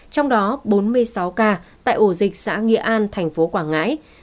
trong đó bốn mươi sáu ca tại ổ dịch xã nghĩa an thành phố quảng ngãi